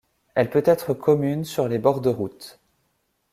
Elle peut être commune sur les bords de route.